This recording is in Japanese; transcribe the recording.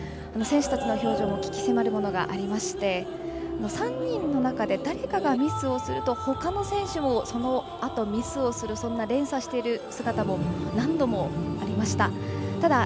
選手たちの表情も鬼気迫るものがありまして３人の中で誰かがミスをするとほかの選手もそのあとミスをするそんな連鎖している姿も何度もありました。